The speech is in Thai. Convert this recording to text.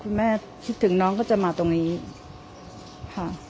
แม่คิดถึงน้องก็จะมาตรงนี้ค่ะ